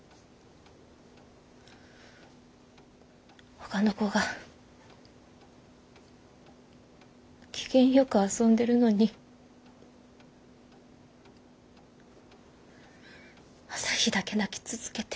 ほかの子が機嫌よく遊んでるのに朝陽だけ泣き続けて。